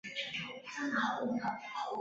黑臀泽蛭为舌蛭科泽蛭属下的一个种。